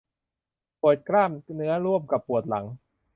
ปวดกล้ามเนื้อร่วมกับปวดหลัง